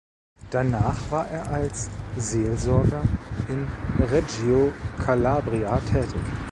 Danach war er als Seelsorger in Reggio Calabria tätig.